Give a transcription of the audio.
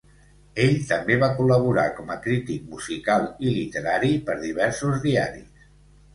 Ell també va col·laborar com a crític musical i literari per diversos diaris.